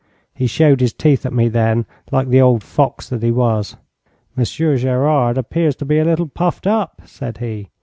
He showed his teeth at me then like the old fox that he was. 'Monsieur Gerard appears to be a little puffed up,' said he.